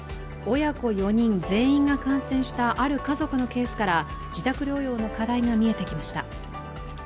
親子４人全員が感染したある家族のケースから自宅療養の課題が見えてきました。